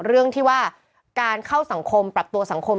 เรื่องที่ว่าการเข้าสังคมปรับตัวสังคม